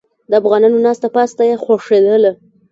د افغانانو ناسته پاسته یې خوښیدله.